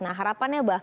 nah harapannya bahkan